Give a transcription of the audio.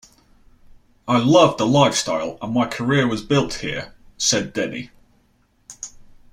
"I loved the lifestyle and my career was built here," said Denny.